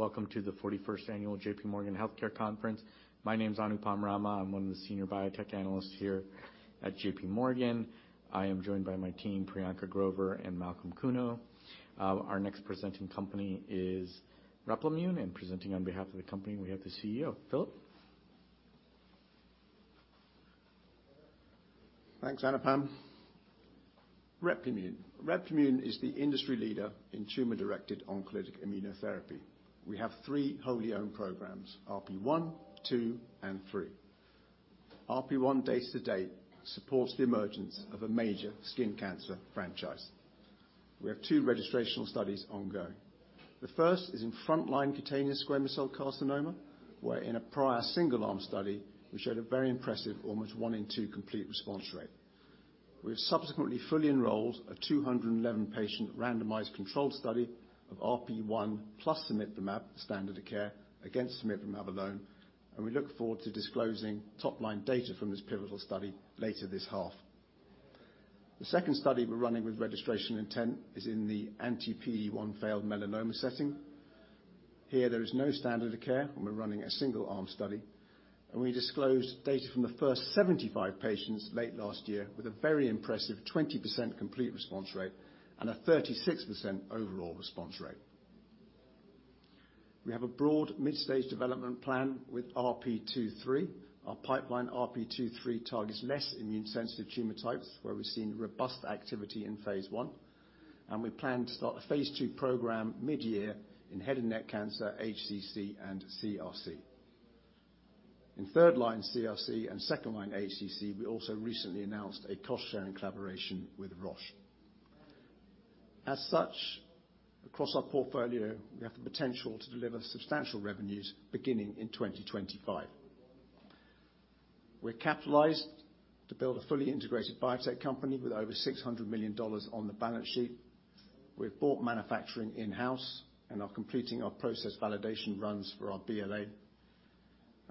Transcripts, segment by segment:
Welcome to the 41st Annual JPMorgan Healthcare Conference. My name's Anupam Rama. I'm one of the Senior Biotech Analysts here at JPMorgan. I am joined by my team, Priyanka Grover and Malcolm Kuno. Our next presenting company is Replimune, and presenting on behalf of the company, we have the CEO, Philip. Thanks, Anupam. Replimune. Replimune is the industry leader in tumor-directed oncolytic immunotherapy. We have three wholly owned programs, RP1, 2, and 3. RP1, day-to-date, supports the emergence of a major skin cancer franchise. We have two registrational studies ongoing. The first is in front line cutaneous squamous cell carcinoma, where in a prior single-arm study, we showed a very impressive almost one in two complete response rate. We have subsequently fully enrolled a 211 patient randomized controlled study of RP1 plus cemiplimab standard of care against cemiplimab alone. We look forward to disclosing top-line data from this pivotal study later this half. The second study we're running with registration intent is in the anti-PD-1 failed melanoma setting. Here, there is no standard of care. We're running a single-arm study. We disclosed data from the first 75 patients late last year with a very impressive 20% complete response rate and a 36% overall response rate. We have a broad mid-stage development plan with RP2/3. Our pipeline RP2/3 targets less immune sensitive tumor types, where we've seen robust activity in phase I, and we plan to start the phase II program midyear in head and neck cancer, HCC, and CRC. In third line CRC and second line HCC, we also recently announced a cost-sharing collaboration with Roche. As such, across our portfolio, we have the potential to deliver substantial revenues beginning in 2025. We're capitalized to build a fully integrated biotech company with over $600 million on the balance sheet. We've bought manufacturing in-house and are completing our process validation runs for our BLA.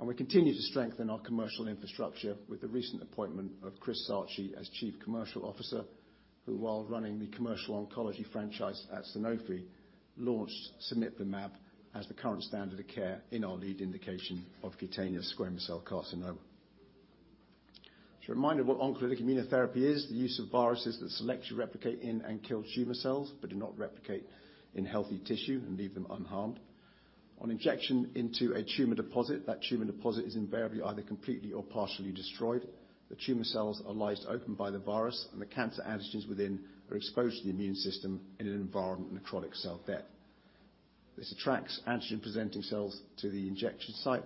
We continue to strengthen our commercial infrastructure with the recent appointment of Chris Sarchi as Chief Commercial Officer, who, while running the commercial oncology franchise at Sanofi, launched cemiplimab as the current standard of care in our lead indication of cutaneous squamous cell carcinoma. Just a reminder what oncolytic immunotherapy is, the use of viruses that selectively replicate in and kill tumor cells, but do not replicate in healthy tissue and leave them unharmed. On injection into a tumor deposit, that tumor deposit is invariably either completely or partially destroyed. The tumor cells are lysed open by the virus, and the cancer antigens within are exposed to the immune system in an environment of necrotic cell death. This attracts antigen presenting cells to the injection site.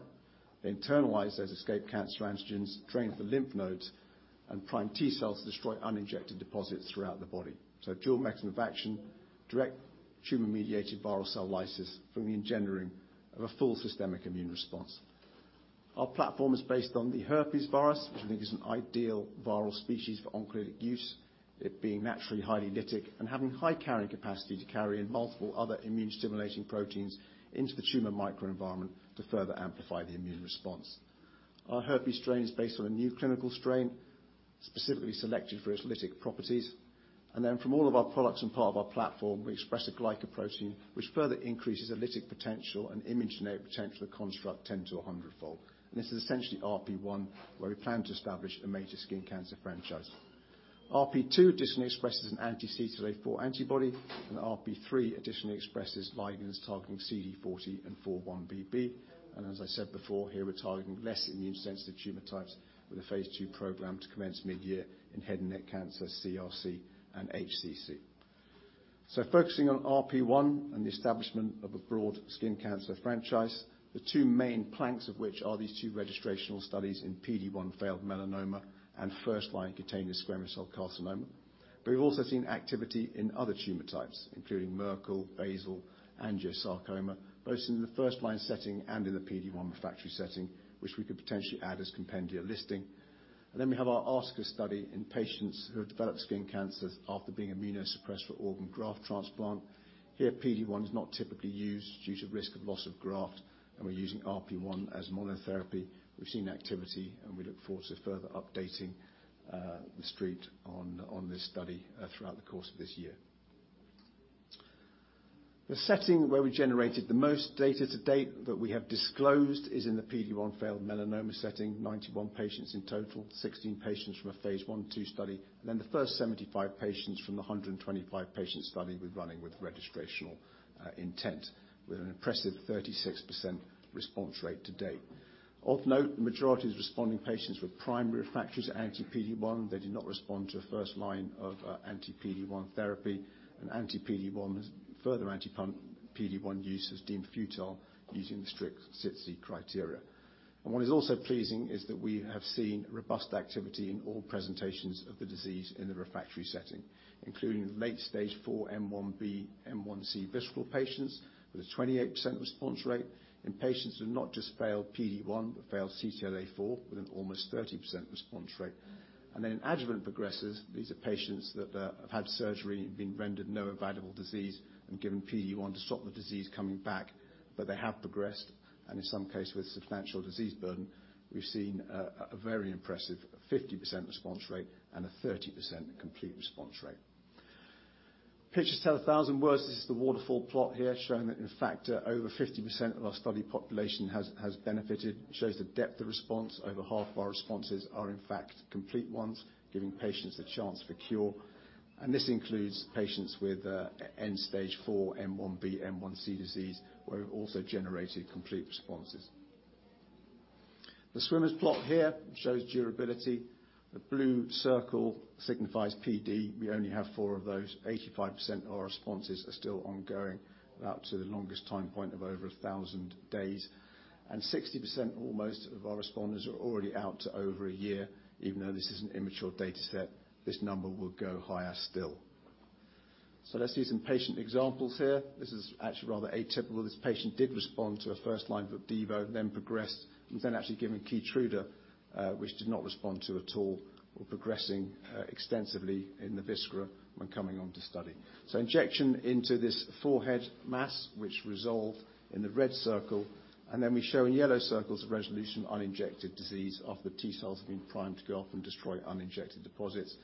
They internalize those escaped cancer antigens, drain to the lymph nodes, and prime T-cells to destroy uninjected deposits throughout the body. Dual mechanism of action, direct tumor-mediated viral cell lysis from the engendering of a full systemic immune response. Our platform is based on the herpes virus, which we think is an ideal viral species for oncolytic use, it being naturally highly lytic and having high carrying capacity to carry in multiple other immune-stimulating proteins into the tumor microenvironment to further amplify the immune response. Our herpes strain is based on a new clinical strain, specifically selected for its lytic properties. From all of our products and part of our platform, we express a glycoprotein, which further increases the lytic potential and immunogenic potential of construct 10-100 fold. This is essentially RP1, where we plan to establish a major skin cancer franchise. RP2 additionally expresses an anti-CTLA-4 antibody, RP3 additionally expresses ligands targeting CD40 and 4-1BB. As I said before, here we're targeting less immune sensitive tumor types with a phase II program to commence midyear in head and neck cancer, CRC, and HCC. Focusing on RP1 and the establishment of a broad skin cancer franchise, the two main planks of which are these two registrational studies in PD-1 failed melanoma and first-line cutaneous squamous cell carcinoma. We've also seen activity in other tumor types, including Merkel, basal, angiosarcoma, both in the first-line setting and in the PD-1 refractory setting, which we could potentially add as compendia listing. We have our ARTACUS study in patients who have developed skin cancers after being immunosuppressed for organ graft transplant. Here, PD-1 is not typically used due to risk of loss of graft, and we're using RP1 as monotherapy. We've seen activity. We look forward to further updating the street on this study throughout the course of this year. The setting where we generated the most data to date that we have disclosed is in the PD-1 failed melanoma setting, 91 patients in total, 16 patients from a phase I/II study, and then the first 75 patients from the 125 patient study we're running with registrational intent, with an impressive 36% response rate to date. Of note, the majority is responding patients with primary refractory anti-PD-1. They did not respond to a first line of anti-PD-1 therapy. Further anti-PD-1 use is deemed futile using the strict SITC criteria. What is also pleasing is that we have seen robust activity in all presentations of the disease in the refractory setting, including late stage IV M1B, M1C visceral patients with a 28% response rate. In patients who have not just failed PD-1, but failed CTLA-4 with an almost 30% response rate. Then in adjuvant progressors, these are patients that have had surgery and been rendered no avoidable disease and given PD-1 to stop the disease coming back. They have progressed, and in some case, with substantial disease burden, we've seen a very impressive 50% response rate and a 30% complete response rate. Pictures tell a thousand words. This is the waterfall plot here showing that in fact, over 50% of our study population has benefited. It shows the depth of response. Over half of our responses are, in fact, complete ones, giving patients a chance for cure. This includes patients with end stage four, M1B, M1C disease, where we've also generated complete responses. The swimmers plot here shows durability. The blue circle signifies PD. We only have four of those. 85% of our responses are still ongoing, up to the longest time point of over 1,000 days. 60% almost of our responders are already out to over one year. Even though this is an immature data set, this number will go higher still. Let's see some patient examples here. This is actually rather atypical. This patient did respond to a first line of OPDIVO, then progressed, and was then actually given KEYTRUDA, which did not respond to at all, while progressing extensively in the viscera when coming onto study. Injection into this forehead mass, which resolved in the red circle, and then we show in yellow circles a resolution of uninjected disease after the T-cells have been primed to go off and destroy uninjected deposits.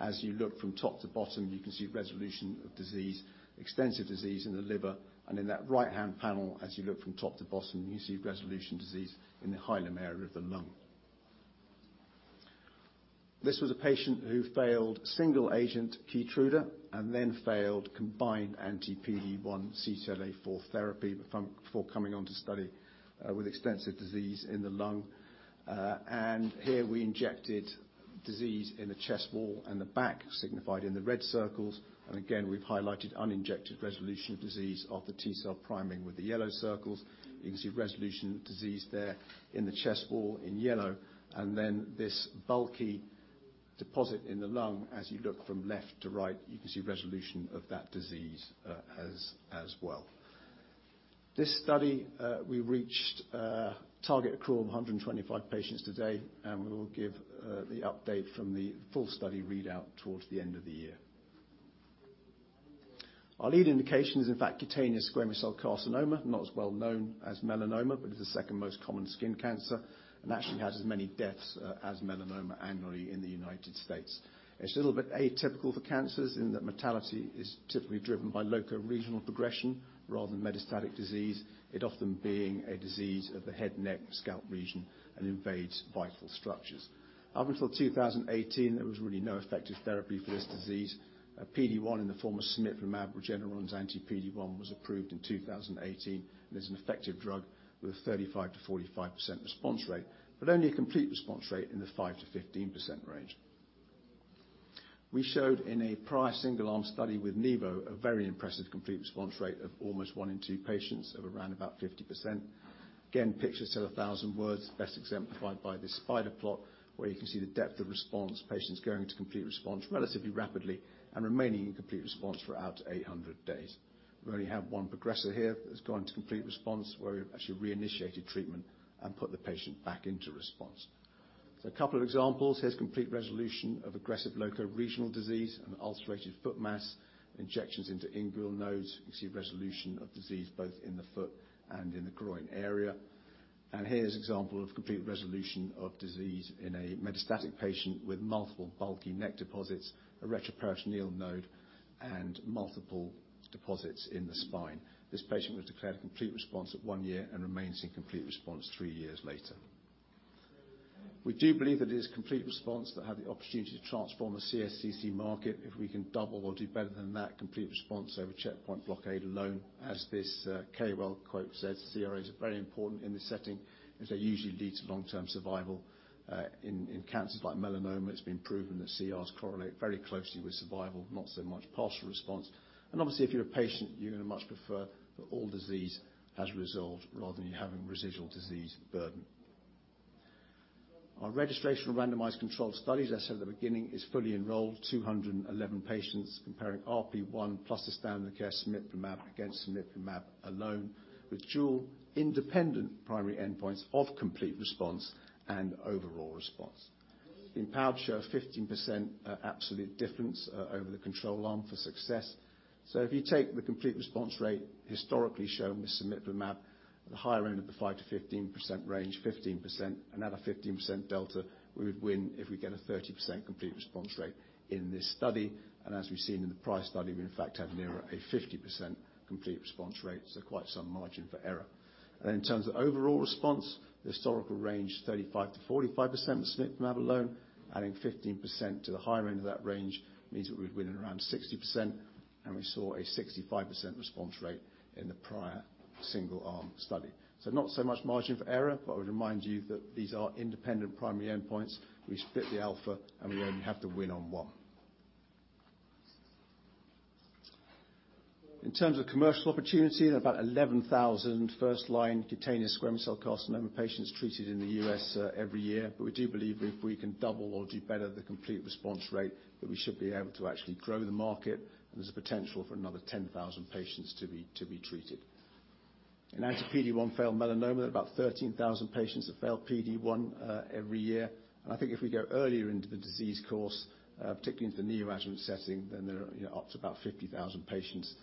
As you look from top to bottom, you can see resolution of disease, extensive disease in the liver, and in that right-hand panel, as you look from top to bottom, you see resolution disease in the hilum area of the lung. This was a patient who failed single agent KEYTRUDA and then failed combined anti-PD-1 CTLA-4 therapy before coming onto study, with extensive disease in the lung. Here we injected disease in the chest wall and the back signified in the red circles. Again, we've highlighted uninjected resolution of disease of the T-cell priming with the yellow circles. You can see resolution of disease there in the chest wall in yellow, and then this bulky deposit in the lung as you look from left to right, you can see resolution of that disease, as well. This study, we reached a target accrual of 125 patients to date, and we will give the update from the full study readout towards the end of the year. Our lead indication is in fact cutaneous squamous cell carcinoma, not as well known as melanoma, but is the second most common skin cancer and actually has as many deaths, as melanoma annually in the United States. It's a little bit atypical for cancers in that mortality is typically driven by locoregional progression rather than metastatic disease. It often being a disease of the head, neck, scalp region and invades vital structures. Up until 2018, there was really no effective therapy for this disease. A PD-1 in the form of cemiplimab, Regeneron's anti-PD-1, was approved in 2018 and is an effective drug with a 35%-45% response rate, but only a complete response rate in the 5%-15% range. We showed in a prior single-arm study with Nivo a very impressive complete response rate of almost 1 in 2 patients of around about 50%. Again, pictures tell a thousand words, best exemplified by this spider plot, where you can see the depth of response, patients going to complete response relatively rapidly and remaining in complete response for out to 800 days. We only have one progressor here that has gone to complete response, where we've actually reinitiated treatment and put the patient back into response. A couple of examples. Here's complete resolution of aggressive locoregional disease, an ulcerated foot mass, injections into inguinal nodes. You can see resolution of disease both in the foot and in the groin area. Here's an example of complete resolution of disease in a metastatic patient with multiple bulky neck deposits, a retroperitoneal node, and multiple deposits in the spine. This patient was declared a complete response at one year and remains in complete response three years later. We do believe that it is complete response that have the opportunity to transform the CSCC market if we can double or do better than that complete response over checkpoint blockade alone. As this KOL quote says, CRs are very important in this setting as they usually lead to long-term survival. In cancers like melanoma, it's been proven that CRs correlate very closely with survival, not so much Partial Response. Obviously, if you're a patient, you're gonna much prefer that all disease has resolved rather than you having residual disease burden. Our registrational randomized controlled studies, as I said at the beginning, is fully enrolled, 211 patients comparing RP1 plus the standard care cemiplimab against cemiplimab alone with dual independent primary endpoints of complete response and overall response. It's been powered to show a 15% absolute difference over the control arm for success. If you take the complete response rate historically shown with cemiplimab, the higher end of the 5%-15% range, 15%, and add a 15% delta, we would win if we get a 30% complete response rate in this study. As we've seen in the CERPASS study, we in fact have nearer a 50% complete response rate, so quite some margin for error. In terms of overall response, the historical range, 35%-45% with cemiplimab alone, adding 15% to the higher end of that range means that we'd win at around 60%, and we saw a 65% response rate in the prior single arm study. Not so much margin for error, but I would remind you that these are independent primary endpoints. We split the alpha and we only have to win on one. In terms of commercial opportunity, there are about 11,000 first-line cutaneous squamous cell carcinoma patients treated in the U.S. every year. We do believe if we can double or do better the complete response rate, that we should be able to actually grow the market and there's a potential for another 10,000 patients to be treated. In anti-PD-1 failed melanoma, there are about 13,000 patients that fail PD-1 every year. I think if we go earlier into the disease course, particularly into the neoadjuvant setting, there are up to about 50,000 patients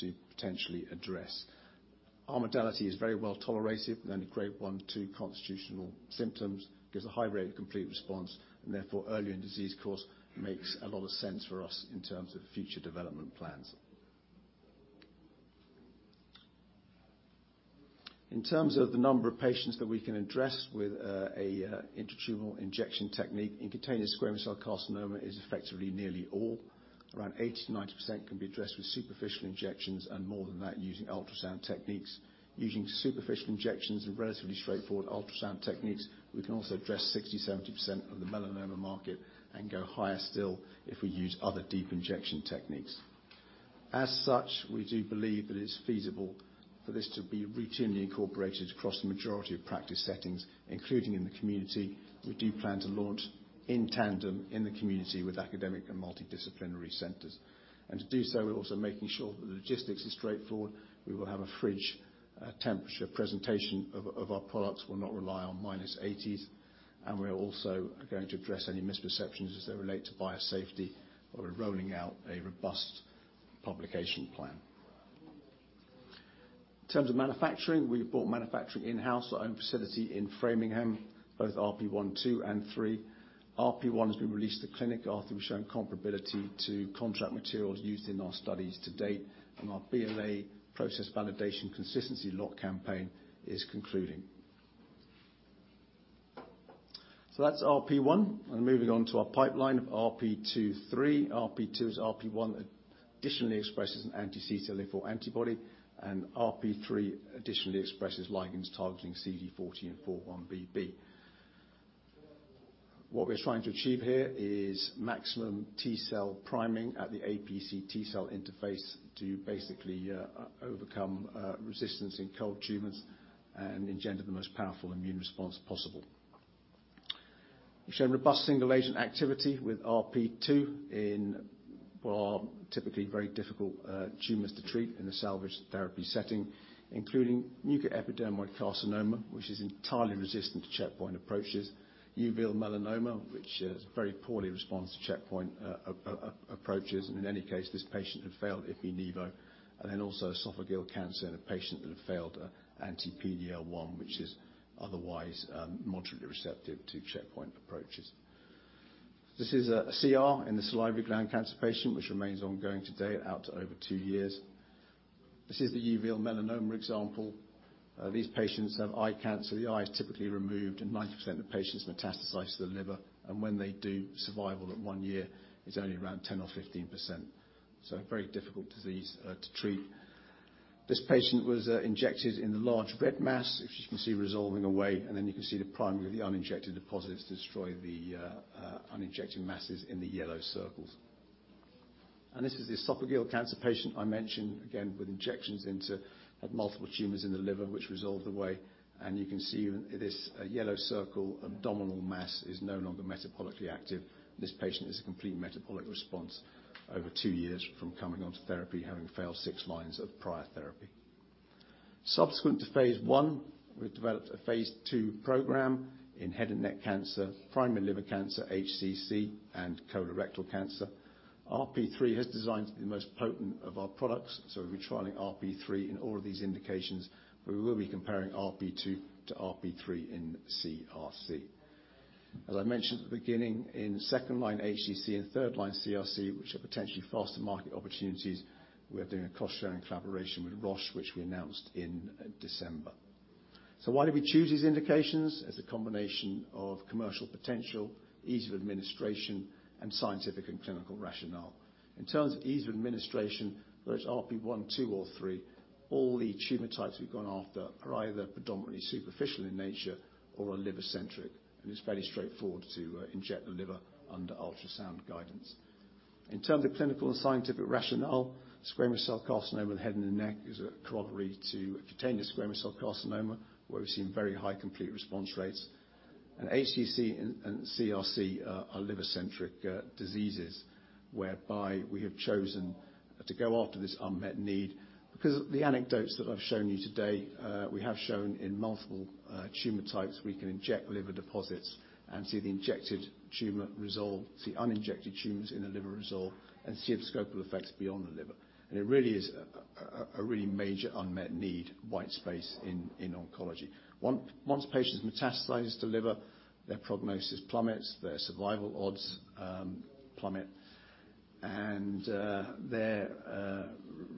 to potentially address. Our modality is very well-tolerated, only grade one, two constitutional symptoms, gives a high rate of complete response, and therefore, early in disease course makes a lot of sense for us in terms of future development plans. In terms of the number of patients that we can address with an intratumoral injection technique, cutaneous squamous cell carcinoma is effectively nearly all. Around 80%-90% can be addressed with superficial injections, more than that using ultrasound techniques. Using superficial injections and relatively straightforward ultrasound techniques, we can also address 60%-70% of the melanoma market, go higher still if we use other deep injection techniques. We do believe that it's feasible for this to be routinely incorporated across the majority of practice settings, including in the community. We do plan to launch in tandem in the community with academic and multidisciplinary centers. To do so, we're also making sure that the logistics is straightforward. We will have a fridge. Temperature presentation of our products will not rely on -80s, we're also going to address any misperceptions as they relate to biosafety. We're rolling out a robust publication plan. In terms of manufacturing, we've brought manufacturing in-house, our own facility in Framingham, both RP1, 2, and 3. RP1 has been released to clinic after we've shown comparability to contract materials used in our studies to date, and our BLA process validation consistency lot campaign is concluding. That's RP1. I'm moving on to our pipeline of RP2/3. RP2 is RP1 that additionally expresses an anti-CTLA-4 antibody, and RP3 additionally expresses ligands targeting CD40 and 4-1BB. We're trying to achieve here is maximum T-cell priming at the APC T-cell interface to basically overcome resistance in cold tumors and engender the most powerful immune response possible. We've shown robust single-agent activity with RP2 in what are typically very difficult tumors to treat in the salvage therapy setting, including mucoepidermoid carcinoma, which is entirely resistant to checkpoint approaches. Uveal melanoma, which very poorly responds to checkpoint approaches, and in any case, this patient had failed ipi/nivo. Also esophageal cancer in a patient that had failed anti-PD-L1, which is otherwise moderately receptive to checkpoint approaches. This is a CR in the salivary gland cancer patient, which remains ongoing to date out to over two years. This is the uveal melanoma example. These patients have eye cancer. The eye is typically removed, and 9% of the patients metastasize to the liver, and when they do, survival at one year is only around 10% or 15%. A very difficult disease to treat. This patient was injected in the large red mass, which you can see resolving away. You can see the priming of the uninjected deposits destroy the uninjected masses in the yellow circles. This is the esophageal cancer patient I mentioned, again, with injections into multiple tumors in the liver, which resolved away. You can see this yellow circle abdominal mass is no longer metabolically active. This patient is a complete metabolic response over 2 years from coming onto therapy, having failed 6 lines of prior therapy. Subsequent to phase I, we've developed a phase II program in head and neck cancer, primary liver cancer, HCC, and colorectal cancer. RP3 is designed to be the most potent of our products. We'll be trialing RP3 in all of these indications. We will be comparing RP2 to RP3 in CRC. As I mentioned at the beginning, in second line HCC and third line CRC, which are potentially faster market opportunities, we're doing a cost-sharing collaboration with Roche, which we announced in December. Why did we choose these indications? It's a combination of commercial potential, ease of administration, and scientific and clinical rationale. In terms of ease of administration, whether it's RP1, 2, or 3, all the tumor types we've gone after are either predominantly superficial in nature or are liver-centric, and it's fairly straightforward to inject the liver under ultrasound guidance. In terms of clinical and scientific rationale, squamous cell carcinoma of the head and the neck is a corollary to cutaneous squamous cell carcinoma, where we've seen very high complete response rates. HCC and CRC are liver-centric diseases, whereby we have chosen to go after this unmet need because of the anecdotes that I've shown you today, we have shown in multiple tumor types, we can inject liver deposits and see the injected tumor resolve, see uninjected tumors in the liver resolve, and see the scope of effects beyond the liver. It really is a really major unmet need, white space in oncology. Once patients metastasize to liver, their prognosis plummets, their survival odds plummet, and their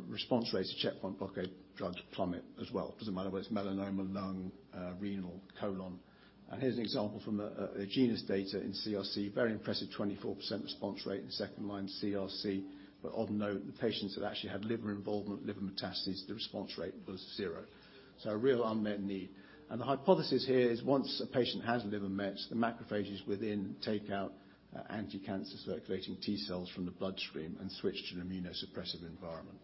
response rates to checkpoint blockade drugs plummet as well. It doesn't matter whether it's melanoma, lung, renal, colon. Here's an example from Genentech's data in CRC. Very impressive 24% response rate in second-line CRC. Odd note, the patients that actually had liver involvement, liver metastases, the response rate was zero. A real unmet need. The hypothesis here is once a patient has liver mets, the macrophages within take out anticancer circulating T-cells from the bloodstream and switch to an immunosuppressive environment.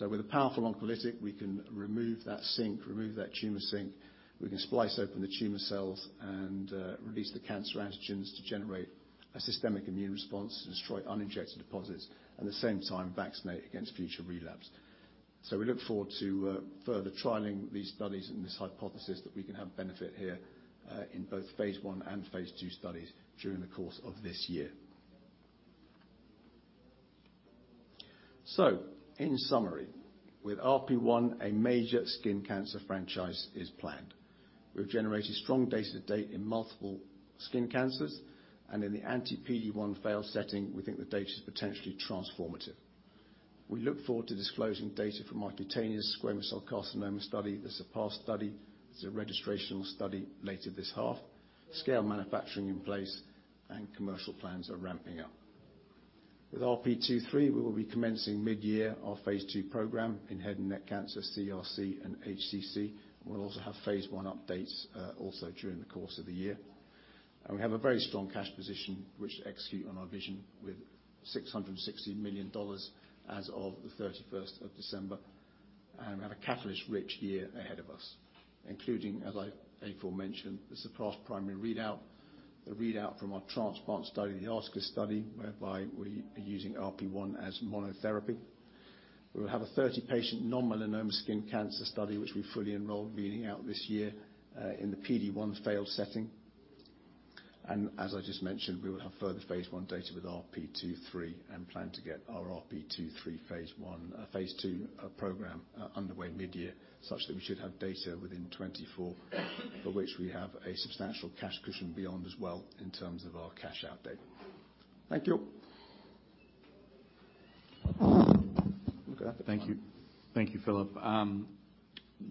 With a powerful oncolytic, we can remove that sink, remove that tumor sink, we can splice open the tumor cells and release the cancer antigens to generate a systemic immune response to destroy uninjected deposits, at the same time, vaccinate against future relapse. We look forward to further trialing these studies and this hypothesis that we can have benefit here in both phase I and phase II studies during the course of this year. In summary, with RP1, a major skin cancer franchise is planned. We've generated strong data to date in multiple skin cancers and in the anti-PD-1 failed setting, we think the data is potentially transformative. We look forward to disclosing data from our cutaneous squamous cell carcinoma study, the CERPASS study. It's a registrational study later this half. Scale manufacturing in place and commercial plans are ramping up. With RP2/3, we will be commencing midyear our phase II program in head and neck cancer, CRC and HCC. We'll also have phase I updates, also during the course of the year. We have a very strong cash position which execute on our vision with $660 million as of the 31st of December, we have a catalyst-rich year ahead of us, including, as I aforementioned, the CERPASS primary readout, the readout from our transplant study, the ARTACUS study, whereby we are using RP1 as monotherapy. We'll have a 30-patient non-melanoma skin cancer study, which we fully enrolled leading out this year in the PD-1 failed setting. As I just mentioned, we will have further phase I data with RP23 and plan to get our RP23 phase II program underway midyear, such that we should have data within 2024, for which we have a substantial cash cushion beyond as well in terms of our cash outdate. Thank you. Thank you. Thank you, Philip.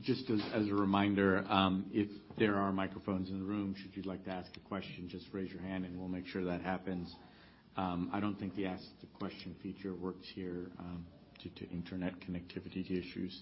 Just as a reminder, if there are microphones in the room, should you like to ask a question, just raise your hand and we'll make sure that happens. I don't think the ask-the-question feature works here, due to internet connectivity issues.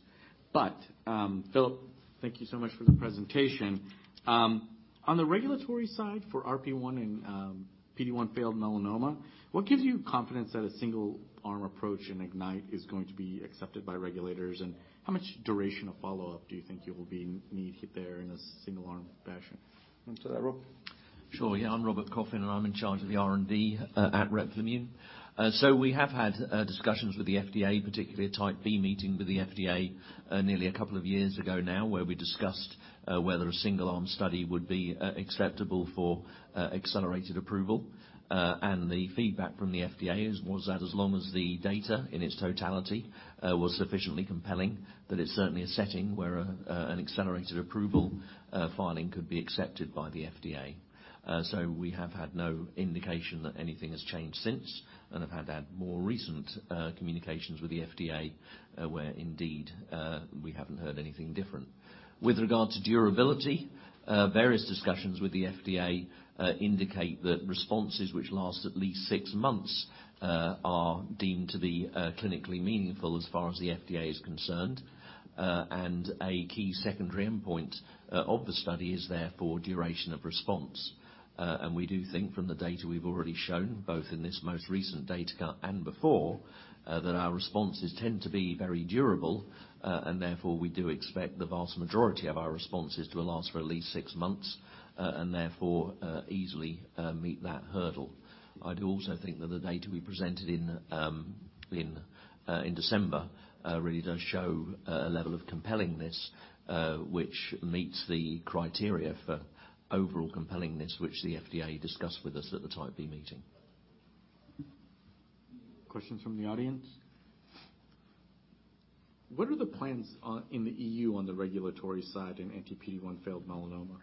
Philip, thank you so much for the presentation. On the regulatory side for RP1 and PD-1 failed melanoma, what gives you confidence that a single-arm approach in IGNYTE is going to be accepted by regulators? How much duration of follow-up do you think you will be need there in a single-arm fashion? Want to answer that, Rob? Yeah, I'm Robert Coffin, and I'm in charge of the R&D at Replimune. We have had discussions with the FDA, particularly a Type B meeting with the FDA, nearly a couple of years ago now, where we discussed whether a single-arm study would be acceptable for accelerated approval. The feedback from the FDA is, was that as long as the data in its totality was sufficiently compelling, that it's certainly a setting where an accelerated approval filing could be accepted by the FDA. We have had no indication that anything has changed since, and have had to add more recent communications with the FDA, where indeed we haven't heard anything different. With regard to durability, various discussions with the FDA indicate that responses which last at least 6 months are deemed to be clinically meaningful as far as the FDA is concerned. A key secondary endpoint of the study is therefore duration of response. We do think from the data we've already shown, both in this most recent data cut and before, that our responses tend to be very durable, and therefore we do expect the vast majority of our responses to last for at least 6 months, and therefore easily meet that hurdle. I'd also think that the data we presented in December really does show a level of compellingness which meets the criteria for overall compellingness, which the FDA discussed with us at the Type B meeting. Questions from the audience? What are the plans in the EU on the regulatory side in anti-PD-1 failed melanoma?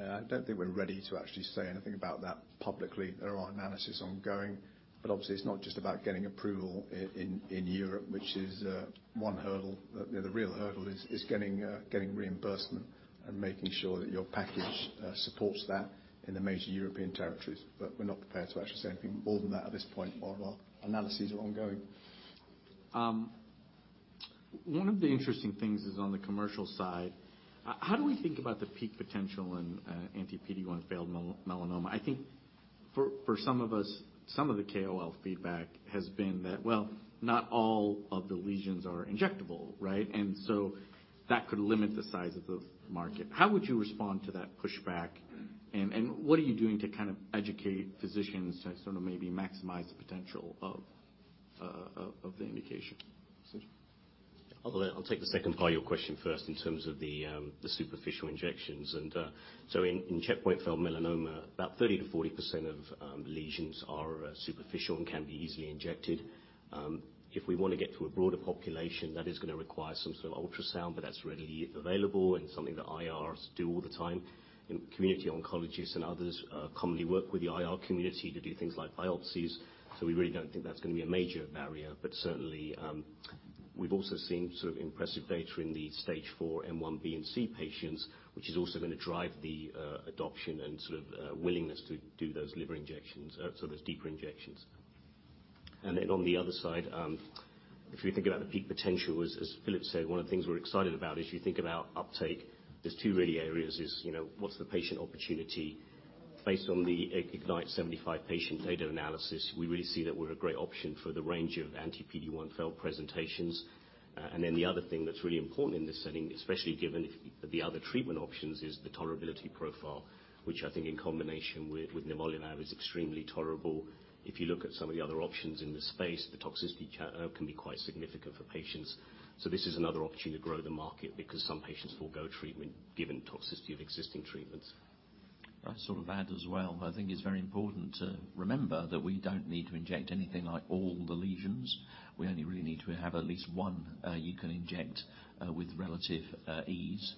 I don't think we're ready to actually say anything about that publicly. There are analysis ongoing, but obviously it's not just about getting approval in Europe, which is one hurdle. The real hurdle is getting reimbursement and making sure that your package supports that in the major European territories. We're not prepared to actually say anything more than that at this point while our analyses are ongoing. One of the interesting things is on the commercial side. How do we think about the peak potential in anti-PD-1 failed melanoma? I think for some of us, some of the KOL feedback has been that, well, not all of the lesions are injectable, right? That could limit the size of the market. How would you respond to that pushback? What are you doing to kind of educate physicians to sort of maybe maximize the potential of the indication? Sushil? I'll take the second part of your question first in terms of the superficial injections. In checkpoint failed melanoma, about 30%-40% of lesions are superficial and can be easily injected. If we wanna get to a broader population, that is gonna require some sort of ultrasound, but that's readily available and something that IRs do all the time. Community oncologists and others commonly work with the IR community to do things like biopsies, so we really don't think that's gonna be a major barrier. Certainly, we've also seen sort of impressive data in the stage four M1B and M1C patients, which is also gonna drive the adoption and sort of willingness to do those liver injections, sort of those deeper injections. On the other side, if you think about the peak potential, as Philip said, one of the things we're excited about is you think about uptake. There's two really areas is, you know, what's the patient opportunity? Based on the IGNYTE 75 patient data analysis, we really see that we're a great option for the range of anti-PD-1 failed presentations. The other thing that's really important in this setting, especially given if the other treatment options, is the tolerability profile, which I think in combination with Nivolumab is extremely tolerable. If you look at some of the other options in this space, the toxicity can be quite significant for patients. This is another opportunity to grow the market because some patients forego treatment given toxicity of existing treatments. I'll sort of add as well. I think it's very important to remember that we don't need to inject anything like all the lesions. We only really need to have at least one, you can inject with relative ease.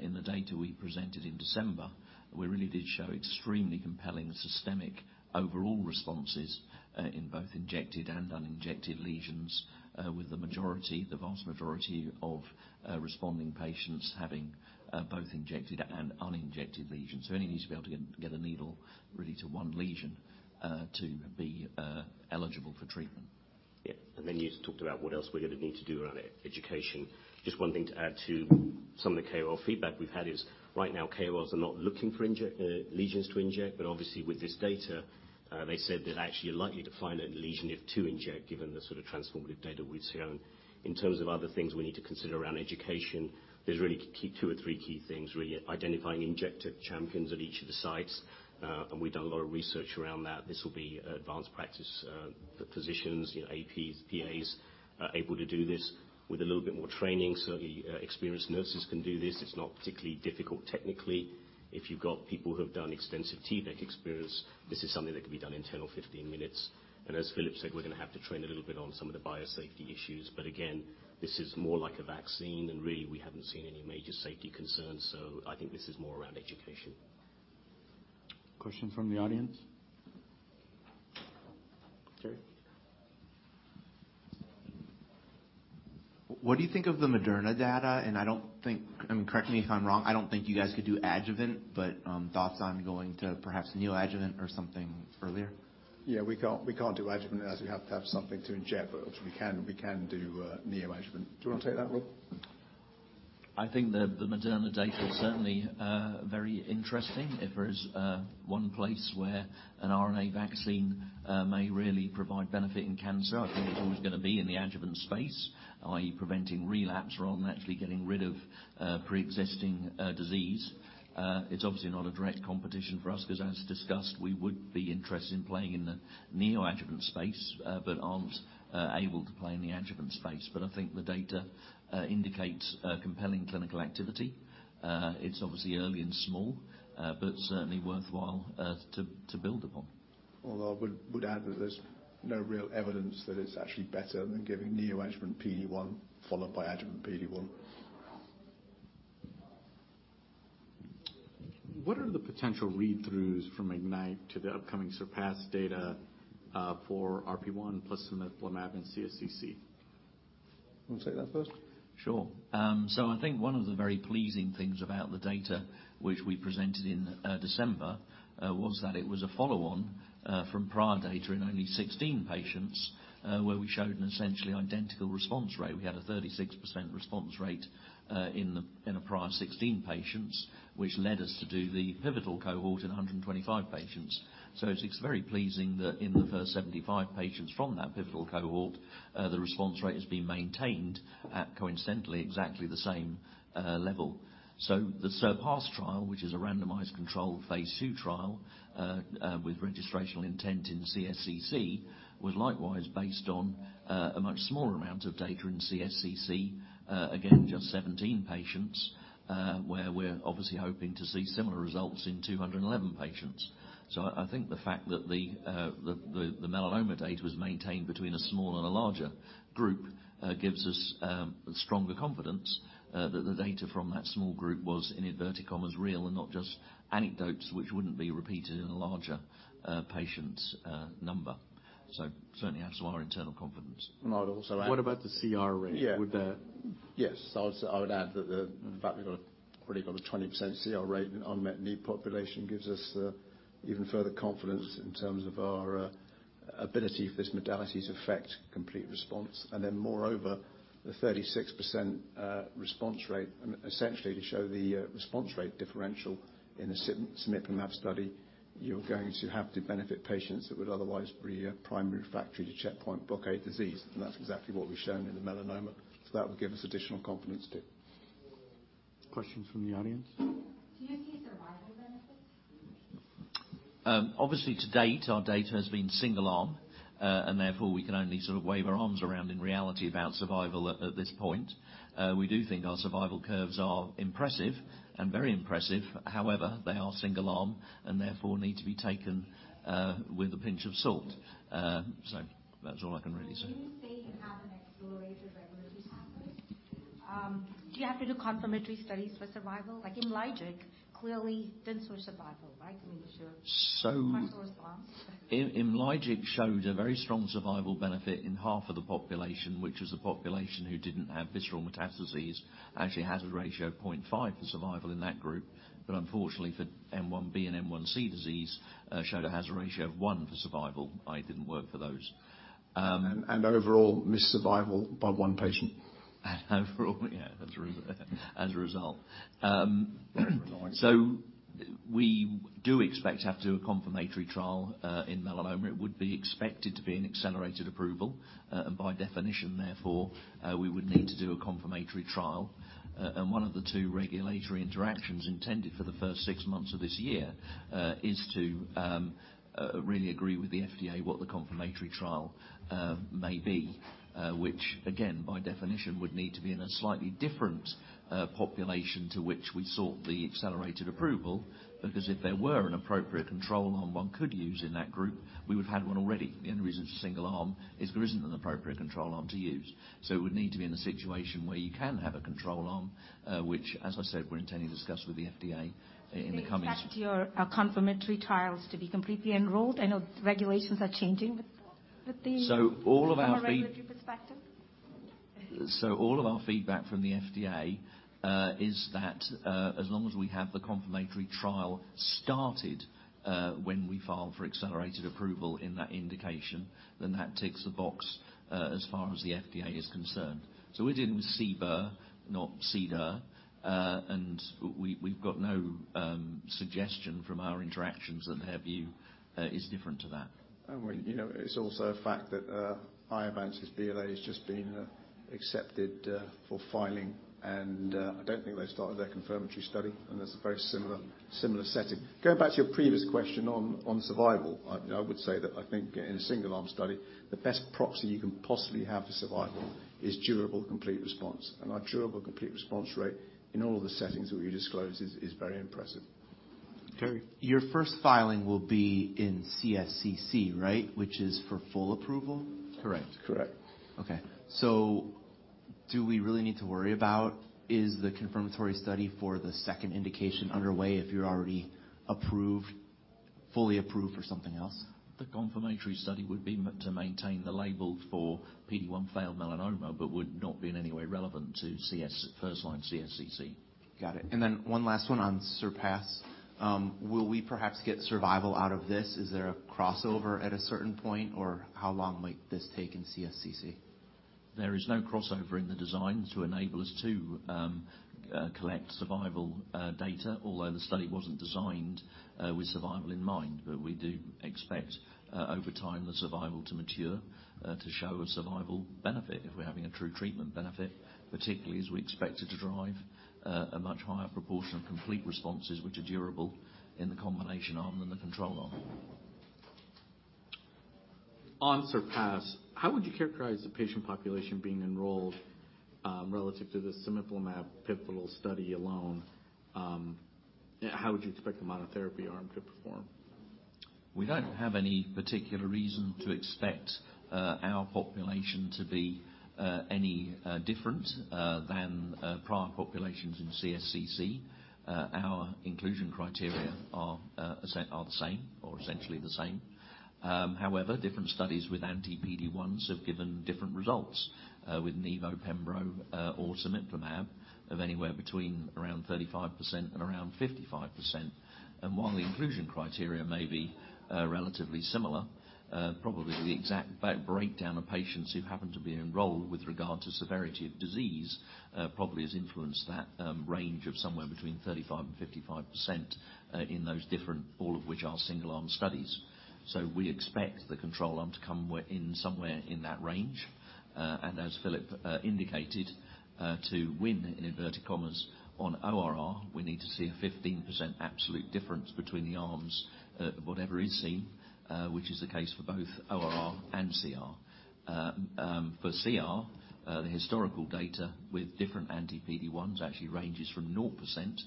In the data we presented in December, we really did show extremely compelling systemic overall responses in both injected and uninjected lesions, with the majority, the vast majority of responding patients having both injected and uninjected lesions. Only need to be able to get a needle really to one lesion, to be eligible for treatment. Yeah. You talked about what else we're gonna need to do around education. Just one thing to add to some of the KOL feedback we've had is right now, KOLs are not looking for lesions to inject, but obviously with this data, they said they'd actually are likely to find a lesion if to inject, given the sort of transformative data we've seen. In terms of other things we need to consider around education, there's really key, two or three key things, really. Identifying injector champions at each of the sites, We've done a lot of research around that. This will be advanced practice physicians, you know, APs, PAs are able to do this with a little bit more training. Certainly, experienced nurses can do this. It's not particularly difficult technically. If you've got people who have done extensive T-VEC experience, this is something that can be done in 10 or 15 minutes. As Philip said, we're gonna have to train a little bit on some of the biosafety issues. Again, this is more like a vaccine, and really we haven't seen any major safety concerns. I think this is more around education. Question from the audience. Terry. What do you think of the Moderna data? I don't think, and correct me if I'm wrong, I don't think you guys could do adjuvant, thoughts on going to perhaps neoadjuvant or something earlier? Yeah, we can't do adjuvant as we have to have something to inject, but obviously we can do neoadjuvant. Do you wanna take that, Will? I think the Moderna data is certainly very interesting. If there is one place where an RNA vaccine may really provide benefit in cancer, I think it's always gonna be in the adjuvant space, i.e., preventing relapse rather than actually getting rid of pre-existing disease. It's obviously not a direct competition for us 'cause as discussed, we would be interested in playing in the neoadjuvant space, but aren't able to play in the adjuvant space. I think the data indicates a compelling clinical activity. It's obviously early and small, but certainly worthwhile to build upon. I would add that there's no real evidence that it's actually better than giving neoadjuvant PD-1 followed by adjuvant PD-1. Thank you. What are the potential read-throughs from IGNYTE to the upcoming CERPASS data, for RP1 plus cemiplimab-CSCC? Wanna take that first? Sure. I think one of the very pleasing things about the data which we presented in December, was that it was a follow-on from prior data in only 16 patients, where we showed an essentially identical response rate. We had a 36% response rate in the, in the prior 16 patients, which led us to do the pivotal cohort in 125 patients. It's very pleasing that in the first 75 patients from that pivotal cohort, the response rate has been maintained at coincidentally exactly the same level. The CERPASS trial, which is a randomized controlled phase II trial, with registrational intent in CSCC, was likewise based on a much smaller amount of data in CSCC, again, just 17 patients, where we're obviously hoping to see similar results in 211 patients. I think the fact that the melanoma data was maintained between a small and a larger group, gives us stronger confidence that the data from that small group was in inverted commas, real, and not just anecdotes which wouldn't be repeated in a larger patient's number. Certainly adds to our internal confidence. I'd also add... What about the CR rate? Yeah. Yes. I would add that the fact that we've got, already got a 20% CR rate in unmet need population gives us even further confidence in terms of our ability for this modality to affect complete response. Moreover, the 36% response rate, essentially to show the response rate differential in the cemiplimab study, you're going to have to benefit patients that would otherwise be a primary factory to checkpoint blockade disease, and that's exactly what we've shown in the melanoma. That would give us additional confidence too. Questions from the audience. Do you see survival benefits? Obviously to date, our data has been single arm, and therefore we can only sort of wave our arms around in reality about survival at this point. We do think our survival curves are impressive and very impressive. However, they are single arm and therefore need to be taken with a pinch of salt. That's all I can really say. When you say you have an exploratory regulatory pathway, do you have to do confirmatory studies for survival? Like IMLYGIC clearly didn't show survival, right? I mean, it showed partial response. IMLYGIC showed a very strong survival benefit in half of the population, which was the population who didn't have visceral metastases. Actually, hazard ratio of 0.5 for survival in that group. Unfortunately for M1b and M1c disease, showed a hazard ratio of 1 for survival. I didn't work for those. Overall missed survival by one patient. As a result, we do expect to have to do a confirmatory trial in melanoma. It would be expected to be an accelerated approval, by definition therefore, we would need to do a confirmatory trial. One of the two regulatory interactions intended for the first six months of this year is to really agree with the FDA what the confirmatory trial may be, which again, by definition would need to be in a slightly different population to which we sought the accelerated approval, because if there were an appropriate control arm one could use in that group, we would've had one already. The only reason it's a single arm is there isn't an appropriate control arm to use. it would need to be in a situation where you can have a control arm, which as I said, we're intending to discuss with the FDA. Do you expect your confirmatory trials to be completely enrolled? I know regulations are changing with the... From a regulatory perspective? All of our feedback from the FDA is that as long as we have the confirmatory trial started when we file for accelerated approval in that indication, then that ticks the box as far as the FDA is concerned. We're dealing with CBER, not CDER. We've got no suggestion from our interactions that their view is different to that. You know, it's also a fact that Iovance's BLA has just been accepted for filing, and I don't think they started their confirmatory study, and that's a very similar setting. Going back to your previous question on survival, I would say that I think in a single-arm study, the best proxy you can possibly have for survival is durable, complete response. Our durable complete response rate in all of the settings that we disclosed is very impressive. Terry? Your first filing will be in CSCC, right? Which is for full approval, correct? Correct. Okay. Do we really need to worry about is the confirmatory study for the second indication underway if you're already approved, fully approved for something else? The confirmatory study would be to maintain the label for PD-1 failed melanoma, but would not be in any way relevant to CS, first-line CSCC. Got it. One last one on CERPASS. Will we perhaps get survival out of this? Is there a crossover at a certain point, or how long might this take in CSCC? There is no crossover in the design to enable us to collect survival data, although the study wasn't designed with survival in mind. We do expect over time, the survival to mature to show a survival benefit if we're having a true treatment benefit, particularly as we expect it to drive a much higher proportion of complete responses which are durable in the combination arm than the control arm. On CERPASS, how would you characterize the patient population being enrolled, relative to the cemiplimab pivotal study alone? How would you expect the monotherapy arm to perform? We don't have any particular reason to expect our population to be any different than prior populations in CSCC. Our inclusion criteria are the same or essentially the same. However, different studies with anti-PD-1s have given different results with Nivolumab, pembrolizumab, or cemiplimab of anywhere between around 35% and around 55%. While the inclusion criteria may be relatively similar, probably the exact breakdown of patients who happen to be enrolled with regard to severity of disease, probably has influenced that range of somewhere between 35% and 55% in those different, all of which are single-arm studies. We expect the control arm to come within somewhere in that range. As Philip indicated, to win, in inverted commas, on ORR, we need to see a 15% absolute difference between the arms, whatever is seen, which is the case for both ORR and CR. For CR, the historical data with different anti-PD-1s actually ranges from 0%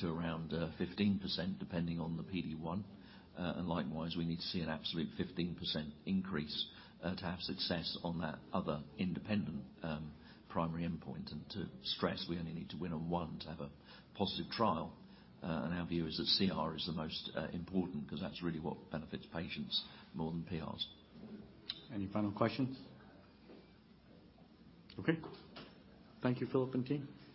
to around 15%, depending on the PD-1. Likewise, we need to see an absolute 15% increase to have success on that other independent primary endpoint. To stress, we only need to win on one to have a positive trial. Our view is that CR is the most important because that's really what benefits patients more than PRs. Any final questions? Okay. Thank you, Philip and team.